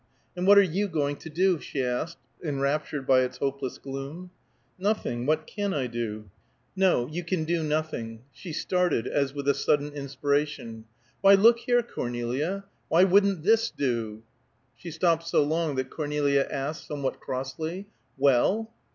"And what are you going to do?" she asked, enraptured by its hopeless gloom. "Nothing. What can I do?" "No. You can do nothing." She started, as with a sudden inspiration. "Why, look here, Cornelia! Why wouldn't this do?" She stopped so long that Cornelia asked, somewhat crossly, "Well?"